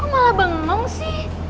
kok malah bengong sih